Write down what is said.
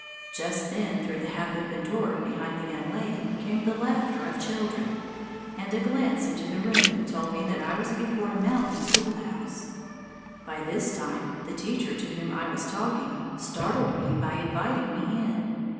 Just then, through the half open door behind the young lady, came the laughter of children, and a glance into the room told me that I was before a mountain schoolhouse. By this time the teacher, to whom I was talking, startled me by inviting me in.